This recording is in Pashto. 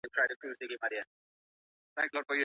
که خاوند د ميرمني له بد اخلاقۍ څخه په تنګ وو.